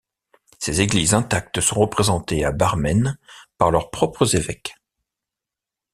Ces Églises intactes sont représentées à Barmen par leurs propres évêques.